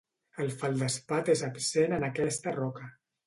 El feldespat és absent en aquesta roca.